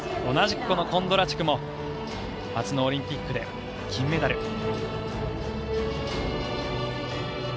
同じくコンドラチュクも初のオリンピックで金メダル。